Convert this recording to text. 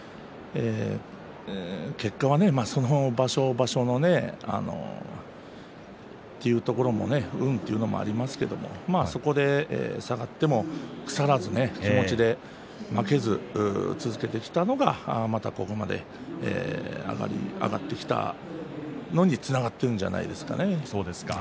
結果は、その場所その場所のというところもね運というのもありますけどそこで下がっても腐らず気持ちで負けず続けてきたのがまたここまで上がってきたのにつながっているんじゃないですかね。